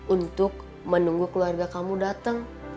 untuk menunggu keluarga kamu datang